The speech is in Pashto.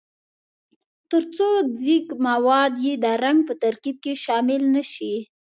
ترڅو ځیږ مواد یې د رنګ په ترکیب کې شامل نه شي.